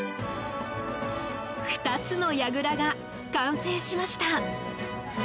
２つのやぐらが、完成しました。